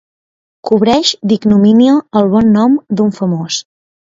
Cobreix d'ignomínia el bon nom d'un famós.